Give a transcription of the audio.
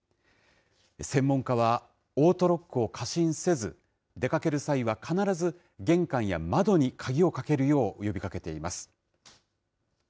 専門家は、オートロックを過信せず、出かける際は必ず、玄関や窓に鍵をかけるよう呼びかけています。